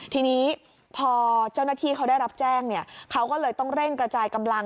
ทีนี้พอเจ้าหน้าที่เขาได้รับแจ้งเขาก็เลยต้องเร่งกระจายกำลัง